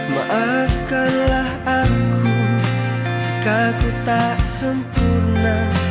maafkanlah aku kaku tak sempurna